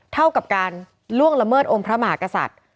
เท่ากับการล่วงละเมิดองค์พระมหากษัตริย์